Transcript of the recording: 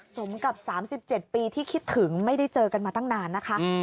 สมกับ๓๗ปีที่คิดถึงไม่ได้เจอกันมาตั้งนานนะคะ